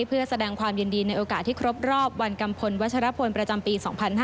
เพื่อแสดงความยินดีในโอกาสที่ครบรอบวันกัมพลวัชรพลประจำปี๒๕๕๙